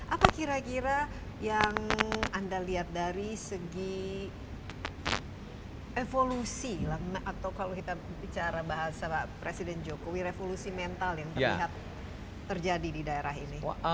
apa kira kira yang anda lihat dari segi evolusi lah atau kalau kita bicara bahasa presiden jokowi revolusi mental yang terlihat terjadi di daerah ini